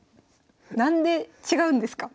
何で違うんですか？